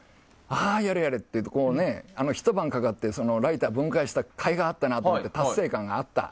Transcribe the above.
ああやれやれひと晩かかってライターを分解したかいがあって達成感があった。